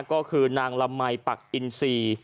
ก็คือนางละมัยปักอินซี